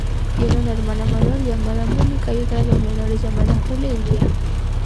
Tiene una hermana mayor llamada Monika y otras dos menores llamadas Julia y Leah.